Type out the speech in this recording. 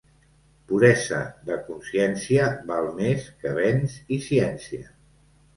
Puresa de consciència val més que béns i ciència.